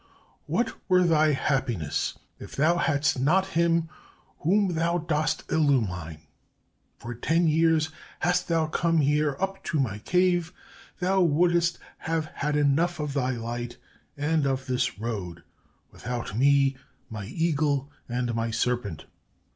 What were thy happiness, if thou hadst not him whom thou dost illumine! For ten years hast thou come here up to my cave: thou wouldst have had enough of thy light and of this road, without me, my eagle, and my serpent.